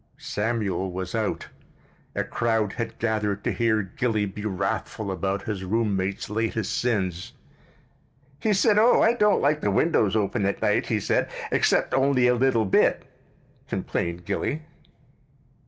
Samuel was out. A crowd had gathered to hear Gilly be wrathful about his roommate's latest sins. "He said, 'Oh, I don't like the windows open at night,' he said, 'except only a little bit,'" complained Gilly.